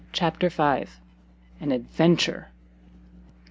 CHAPTER v AN ADVENTURE.